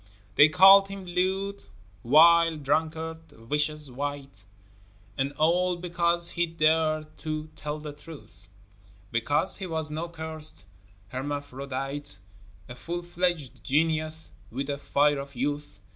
They called him lewd, vile drunkard, vicious wight, And all because he dared to tell the truth, Because he was no cursed hermaphrodite, A full fledged genius with the fire of youth.